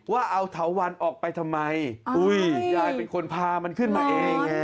ว่าเอาเถาวันออกไปทำไมอุ้ยยายเป็นคนพามันขึ้นมาเองไง